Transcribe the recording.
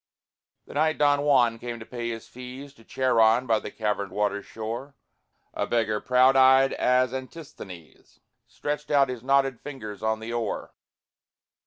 The night Don Juan came to pay his fees To Charon, by the caverned water's shore, A beggar, proud eyed as Antisthenes, Stretched out his knotted fingers on the oar.